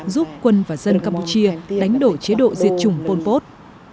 giúp quân và dân campuchia đánh đổ chế độ diệt chủng pol pot